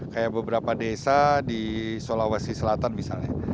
kayak beberapa desa di sulawesi selatan misalnya